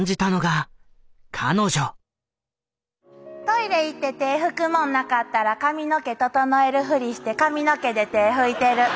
トイレ行ってて拭くもんなかったら髪の毛整えるふりして髪の毛で手拭いてる。